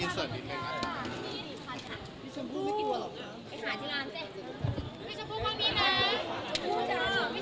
ขอบคุณค่ะ